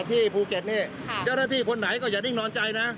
ที่ภูเก็ตนี่เจ้าหน้าที่คนไหนก็อย่านิ่งนอนใจนะ